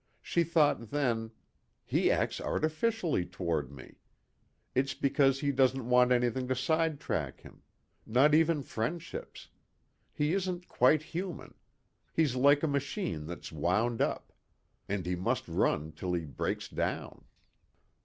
She thought then, "He acts artificially toward me. It's because he doesn't want anything to sidetrack him. Not even friendships. He isn't quite human. He's like a machine that's wound up. And he must run till he breaks down."